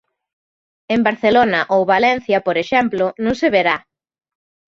En Barcelona ou Valencia, por exemplo, non se verá.